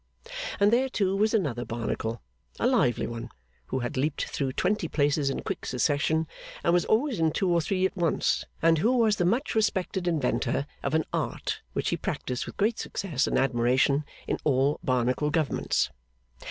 And there, too, was another Barnacle, a lively one, who had leaped through twenty places in quick succession, and was always in two or three at once, and who was the much respected inventor of an art which he practised with great success and admiration in all Barnacle Governments.